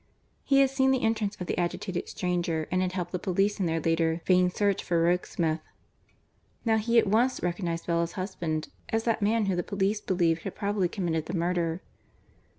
He had seen the entrance of the agitated stranger, and had helped the police in their later vain search for Rokesmith. Now he at once recognized Bella's husband as that man, who the police believed had probably committed the murder.